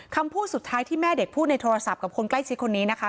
คำพูดสุดท้ายที่แม่เด็กพูดในโทรศัพท์กับคนใกล้ชิดคนนี้นะคะ